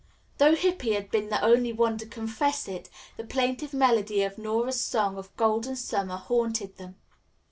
Though Hippy had been the only one to confess it, the plaintive melody of Nora's song of Golden Summer haunted them.